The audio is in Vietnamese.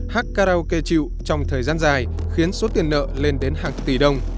hát karaoke chịu trong thời gian dài khiến số tiền nợ lên đến hàng tỷ đồng